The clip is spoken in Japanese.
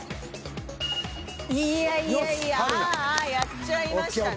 いやいやいやああやっちゃいましたね。